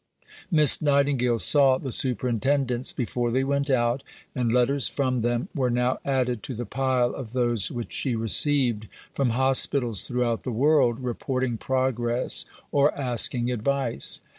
Miss Nightingale saw the Superintendents before they went out, and letters from them were now added to the pile of those which she received from hospitals throughout the world, reporting progress or asking advice.